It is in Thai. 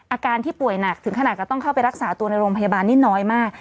อาการที่ป่วยหนักถึงขนาดก็ต้องเข้าไปรักษาตัวในโรงพยาบาลนี่น้อยมาก